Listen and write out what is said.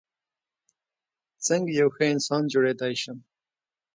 څرنګه یو ښه انسان جوړیدای شم.